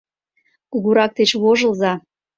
Кугурак деч вожылза.